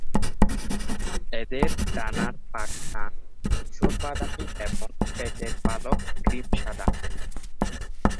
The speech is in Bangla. এদের ডানার পাখনা ধূসর বাদামী এবং পেটের পালক ক্রিম সাদা।